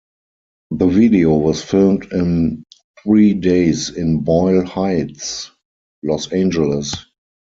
The video was filmed in three days in Boyle Heights, Los Angeles.